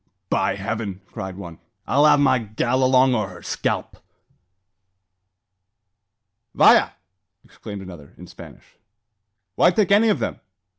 "By Heaven!" cried one, "I'll have my gal along, or her scalp." "Vaya!" exclaimed another, in Spanish; "why take any of them?